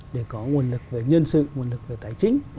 để có nguồn lực về nhân sự nguồn lực về tài chính